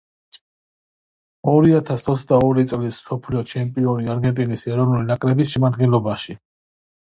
ორიათას ოცდა ორი წლის მსოფლიო ჩემპიონი არგენტინის ეროვნული ნაკრების შემადგენლობაში.